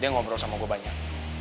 dia pengen ketemu sama gue banyak